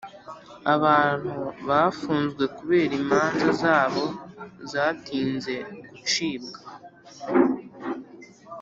Abantu bafunzwe kubera imanza zabo zatinze gucibwa